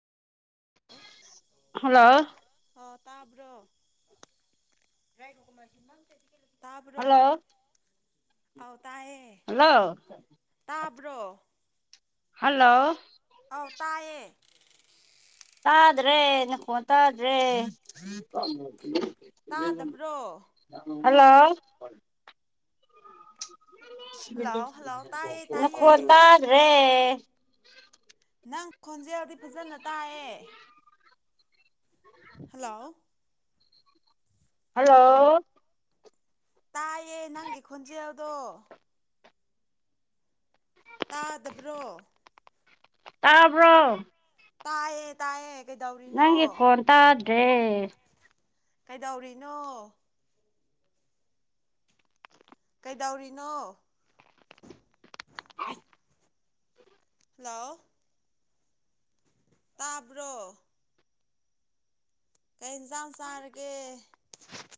hello ꯇꯥꯕ꯭ꯔꯣ [unintelligible] ꯇꯥꯕ꯭ꯔꯣ hello ꯑꯥꯎ ꯇꯥꯏꯌꯦ ꯍꯜꯂꯣ ꯇꯥꯕ꯭ꯔꯣ ꯍꯜꯂꯣ ꯑꯧ ꯇꯥꯏꯌꯦ ꯇꯥꯗꯔꯦ ꯅꯈ‌ꯣꯟ ꯇꯥꯗ꯭ꯔꯦ [unintelligible] ꯇꯥꯗꯕ꯭ꯔꯣ ꯍꯂꯣ ꯍꯜꯂꯣ ꯍꯜꯂꯣ ꯇꯥꯏꯌꯦ ꯇꯥꯏꯌꯦ ꯅꯈꯣꯟ ꯇꯥꯗ꯭ꯔꯦ ꯅꯪ ꯈꯣꯟꯖꯦꯜꯗꯤ ꯐꯖꯥꯅ ꯇꯥꯏꯌꯦ ꯍꯂꯣ ꯍꯂꯣ ꯇꯥꯏꯌꯦ ꯅꯪꯒꯤ ꯈꯣꯟꯖꯦꯜꯗꯣ ꯇꯥꯗꯕ꯭ꯔꯣ ꯇꯥꯕ꯭ꯔꯣ ꯇꯥꯏꯌꯦꯠ ꯅꯪꯒꯤ ꯈꯣꯟ ꯇꯥꯗ꯭ꯔꯦ ꯀꯩꯗꯧꯔꯤꯅꯣ ꯀꯩꯗꯧꯔꯤꯅꯣ ꯍꯜꯂꯣ ꯇꯥꯕ꯭ꯔꯣ ꯀꯩ ꯍ‌ꯦꯟꯖꯥꯡ ꯆꯥꯔꯒꯦ